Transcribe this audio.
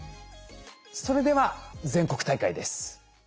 それでは全国大会です。